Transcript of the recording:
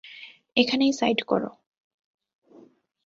এখানেই সাইড করো।